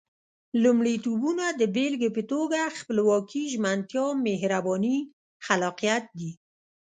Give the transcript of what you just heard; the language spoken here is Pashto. لومړيتوبونه د بېلګې په توګه خپلواکي، ژمنتيا، مهرباني، خلاقيت دي.